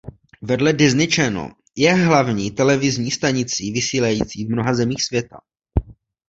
Vedle Disney Channel je hlavní televizní stanicí vysílající v mnoha zemích světa.